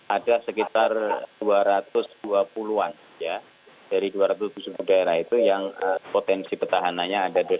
ada sekitar dua ratus dua puluh an dari dua ratus lima puluh daerah itu yang potensi pertahanannya ada dua ratus dua puluh